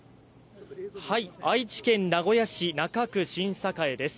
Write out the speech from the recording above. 愛知県名古屋市中区新栄です。